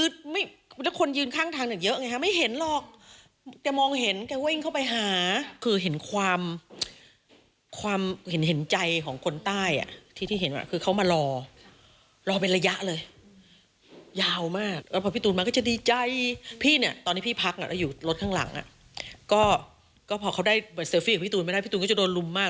ได้เซอร์ฟี่กับพี่ตูนไม่ได้พี่ตูนก็จะโดนลุมมาก